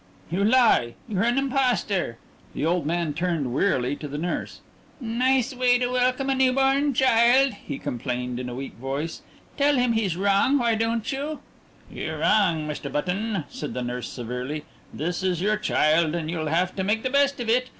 "You lie! You're an impostor!" The old man turned wearily to the nurse. "Nice way to welcome a new born child," he complained in a weak voice. "Tell him he's wrong, why don't you?" "You're wrong, Mr. Button," said the nurse severely. "This is your child, and you'll have to make the best of it.